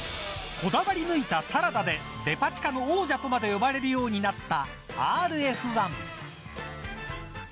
こだわり抜いたサラダでデパ地下の王者とも呼ばれるようになったＲＦ１。